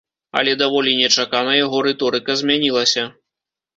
Але даволі нечакана яго рыторыка змянілася.